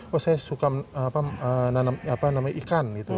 wah saya suka nanam ikan